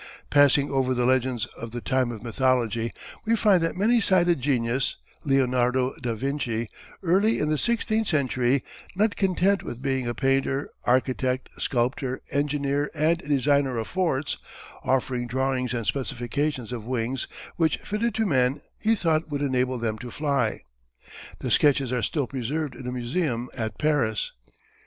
Passing over the legends of the time of mythology we find that many sided genius, Leonardo da Vinci, early in the sixteenth century, not content with being a painter, architect, sculptor, engineer and designer of forts, offering drawings and specifications of wings which, fitted to men, he thought would enable them to fly. The sketches are still preserved in a museum at Paris.